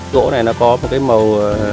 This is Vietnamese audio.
gỗ này nó có một cái màu